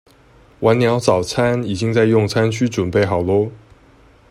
晚鳥早餐已經在用餐區準備好囉